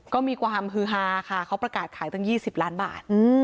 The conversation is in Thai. ก็มีความฮือฮาค่ะเขาประกาศขายตั้ง๒๐ล้านบาท